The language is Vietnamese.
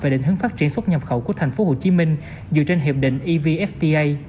về định hướng phát triển xuất nhập khẩu của tp hcm dựa trên hiệp định evfta